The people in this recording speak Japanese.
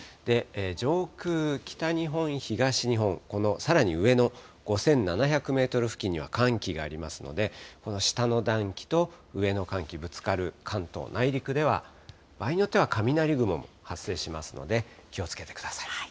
上空、北日本、東日本、さらに上の５７００メートル付近には寒気がありますので、この下の暖気と上の寒気ぶつかる関東内陸では、場合によっては雷雲も発生しますので、気をつけてください。